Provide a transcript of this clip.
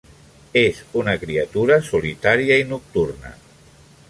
És una criatura solitària i nocturna.